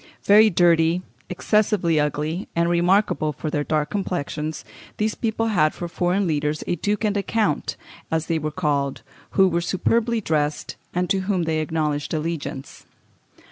Very dirty, excessively ugly, and remarkable for their dark complexions, these people had for their leaders a duke and a count, as they were called, who were superbly dressed, and to whom they acknowledged allegiance.